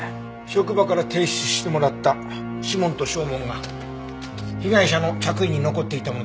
職場から提出してもらった指紋と掌紋が被害者の着衣に残っていたものと一致したよ。